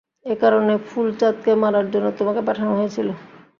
এ কারণে ফুলচাঁদকে মারার জন্য তোমাকে পাঠানো হয়েছিল।